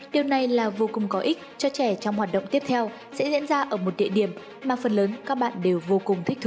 điều này là vô cùng có ích cho trẻ trong hoạt động tiếp theo sẽ diễn ra ở một địa điểm mà phần lớn các bạn đều vô cùng thích thú